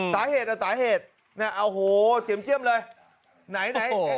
สาเหตุสาเหตุโอ้โหเจียมเลย